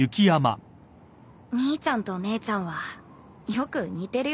兄ちゃんと姉ちゃんはよく似てるよな